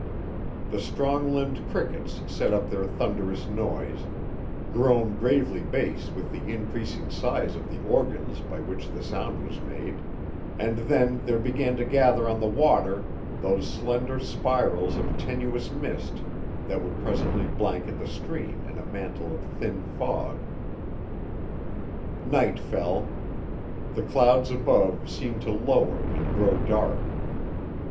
The strong limbed crickets set up their thunderous noise grown gravely bass with the increasing size of the organs by which the sound was made and then there began to gather on the water those slender spirals of tenuous mist that would presently blanket the stream in a mantle of thin fog. Night fell. The clouds above seemed to lower and grow dark.